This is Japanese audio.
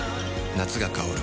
夏が香る